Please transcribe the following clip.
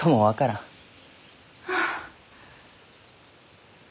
はあ。